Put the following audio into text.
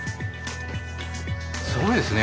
すごいですね。